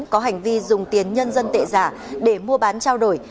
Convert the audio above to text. có hành vi dùng tiền nhân dân tệ giả để mua bán trao đổi